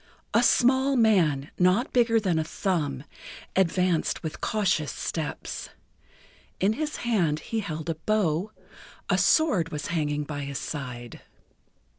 A small man, not bigger than a thumb, advanced with cautious steps. In his hand he held a bow; a sword was hanging by his side.